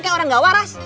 kayak orang gak waras